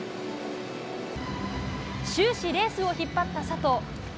終始、レースを引っ張った佐藤。